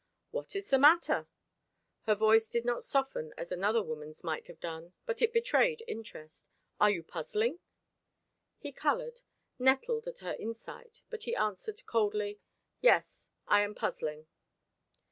"What is the matter?" Her voice did not soften as another woman's might have done, but it betrayed interest. "Are you puzzling?" He coloured, nettled at her insight; but he answered, coldly: "Yes; I am puzzling."